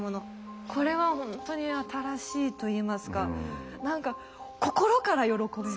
これはほんとに新しいといいますか何か心から喜べる。